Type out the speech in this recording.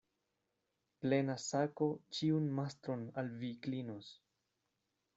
Plena sako ĉiun mastron al vi klinos.